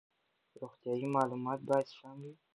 روغتیايي معلومات باید سم وي.